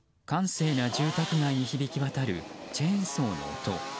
閑静な住宅街に響き渡るチェーンソーの音。